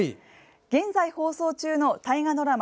現在放送中の大河ドラマ